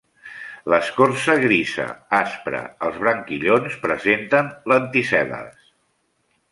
L'escorça grisa, aspre, els branquillons presenten lenticel·les.